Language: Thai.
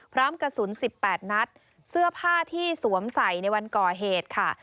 พร้อมกระสุน๑๘นัดเสื้อผ้าที่สวมใส่ในวันก่อเหตุค่ะ